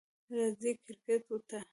راځئ کریکټ ته!